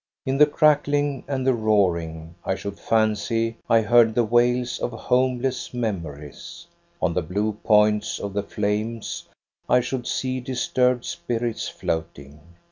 In the crackling and the roaring I should fancy I heard the wails of homeless memories ; on the blue points of the flames I should see disturbed spirits floating.